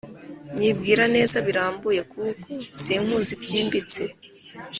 nyibwira neza birambuye kuko sinkuzi byimbitse,